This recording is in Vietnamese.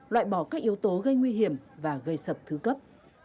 loại bỏ các yếu tố gây nguy hiểm và gây sập thứ cấp